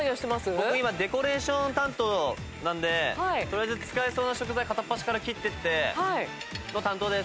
僕今デコレーション担当なんでとりあえず使えそうな食材片っ端から切っていっての担当です。